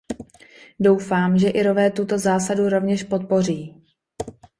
Doufám, že Irové tuto zásadu rovněž podpoří.